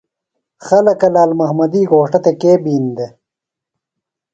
خلکہ لال محمدی گھوݜٹہ تھےۡ کے بِین دےۡ؟